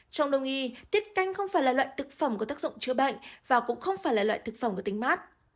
trong đông y tiết canh không phải là loại thực phẩm có tác dụng chữa bệnh và cũng không phải là loại thực phẩm có tính mát